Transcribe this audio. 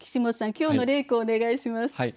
今日の例句お願いします。